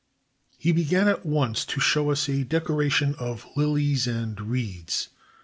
He began at once to show us a decoration of lihes and reeds.